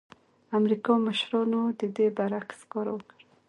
امریکايي مشرانو د دې برعکس کار وکړ.